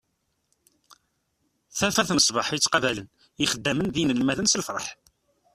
Tafat n sbeḥ i ttqabalen yixeddamen d yinelmaden s lferḥ.